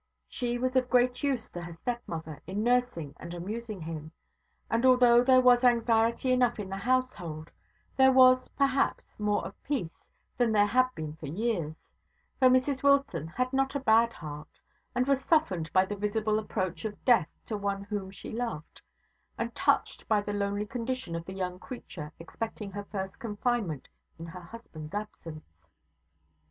She was of great use to her stepmother in nursing and amusing him; and although there was anxiety enough in the household, there was, perhaps, more of peace than there had been for years, for Mrs Wilson had not a bad heart, and was softened by the visible approach of death to one whom she loved, and touched by the lonely condition of the young creature expecting her first confinement in her husband's absence.